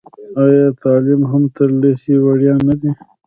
آیا تعلیم هم تر لیسې وړیا نه دی؟